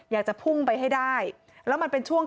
อยากจะพุ่งไปให้ได้แล้วมันเป็นช่วง